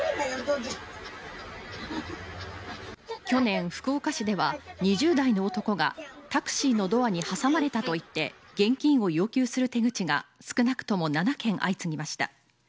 去年、福岡市では２０代の男がタクシーのドアに挟まれたと言って現金を要求する手口が少なくとも７件、相次ぎました。